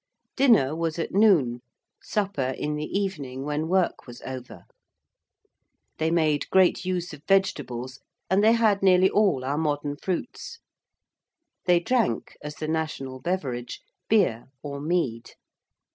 Dinner was at noon: supper in the evening when work was over: they made great use of vegetables and they had nearly all our modern fruits: they drank, as the national beverage, beer or mead.